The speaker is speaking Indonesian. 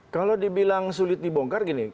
kalau dibilang sulit dibongkar gini